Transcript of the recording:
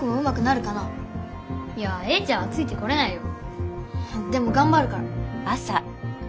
いやエイちゃんはついてこれないよ。でもがんばるから。